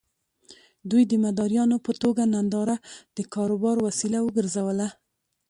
دوی د مداريانو په توګه ننداره د کاروبار وسيله وګرځوله.